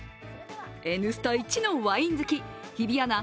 「Ｎスタ」イチのワイン好き日比アナ